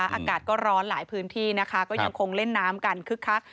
อากาศก็ร้อนหลายพื้นที่นะคะก็ยังคงเล่นน้ำกันคึกคัก